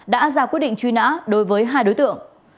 đã ra quyết định truy nã đối với hai đối tượng